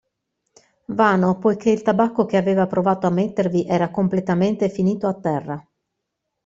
Vano poiché il tabacco che aveva provato a mettervi era completamente finito a terra.